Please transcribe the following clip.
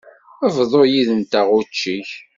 Bḍu yid-nteɣ učči-k.